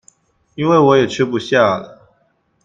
因為我也吃不下了